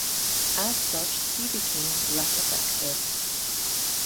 As such, he became less effective.